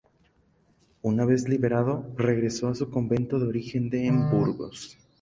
Una vez liberado, regresó a su convento de origen en Burgos.